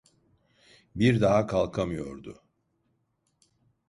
Bir daha kalkamıyordu…